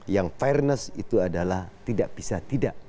yang fairness itu adalah tidak bisa tidak